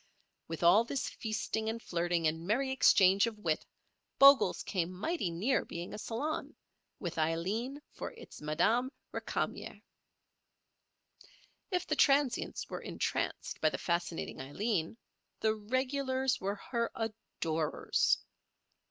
With all this feasting and flirting and merry exchange of wit Bogle's came mighty near being a salon, with Aileen for its Madame Récamier. If the transients were entranced by the fascinating Aileen, the regulars were her adorers.